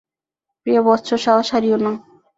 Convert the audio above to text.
প্রিয় বৎস! সাহস হারিও না।